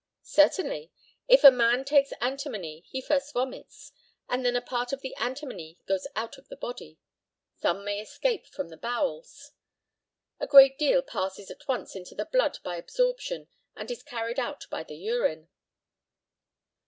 Certainly. If a man takes antimony he first vomits, and then a part of the antimony goes out of the body; some may escape from the bowels. A great deal passes at once into the blood by absorption, and is carried out by the urine.